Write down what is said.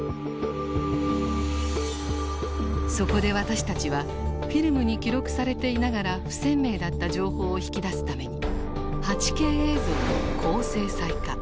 そこで私たちはフィルムに記録されていながら不鮮明だった情報を引き出すために８Ｋ映像に高精細化。